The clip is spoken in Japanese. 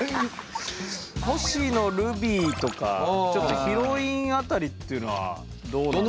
星野瑠美衣とかちょっとヒロイン辺りっていうのはどうなんでしょうね。